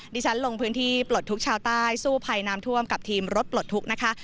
ดิฉันลงพื้นที่ปลดทุกข์ชาวใต้สู้ภัยน้ำท่วมกับทีมรถปลดทุกข์นะคะ